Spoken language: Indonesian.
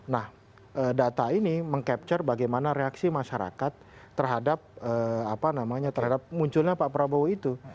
nah data ini mengcapture bagaimana reaksi masyarakat terhadap apa namanya terhadap munculnya pak prabowo itu